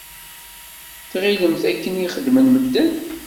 Tɣilemt akken i xeddmen medden?